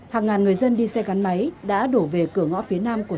hàng ngàn người dân đi xe gắn máy đã đổ về cửa